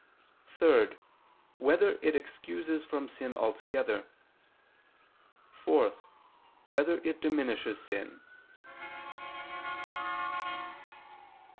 (3) Whether it excuses from sin altogether? (4) Whether it diminishes sin?